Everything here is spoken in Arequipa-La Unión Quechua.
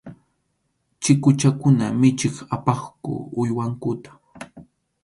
Chikuchakuna michiq apaqku uywankuta.